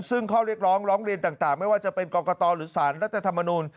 ซึ่งข้อเรียกร้องร้องเรียนต่างไม่ว่าจะเป็นกรกตหรือสารรัฐธรรมนูล